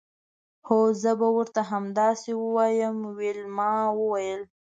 هو زه به ورته همداسې ووایم ویلما وویل